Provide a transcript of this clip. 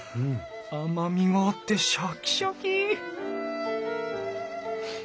甘みがあってシャキシャキ！